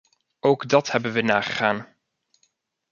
Ook dat hebben we nagegaan.